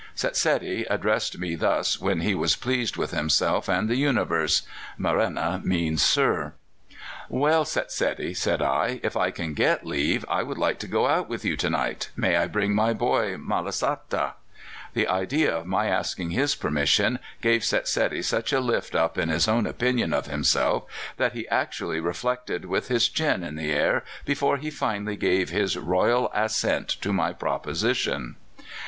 "Setsedi addressed me thus when he was pleased with himself and the universe: Marenna means sir. "'Well, Setsedi,' said I, 'if I can get leave, I would like to go out with you to night. May I bring my boy, Malasata?' "The idea of my asking his permission gave Setsedi such a lift up in his own opinion of himself that he actually reflected with his chin in the air before he finally gave his royal assent to my proposition.